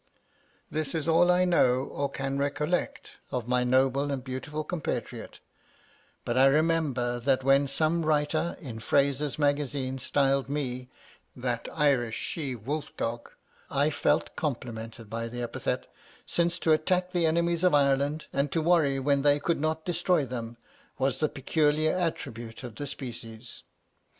"This is all I know or can recollect of my noble and beautiful compatriot; but I remember that when some writer in 'Fraser's Magazine' styled me 'that Irish she wolf dog,' I felt complimented by the epithet, since to attack the enemies of Ireland, and to worry when they could not destroy them, was the peculiar attribute of the species.